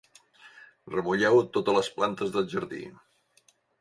Remulleu totes les plantes del jardí.